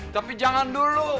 tapi jangan dulu